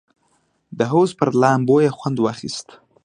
د حوض پر لامبو یې خوند واخیست.